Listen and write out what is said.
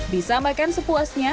bisa makan sepuasnya